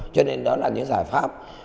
cho nên đó là những giải pháp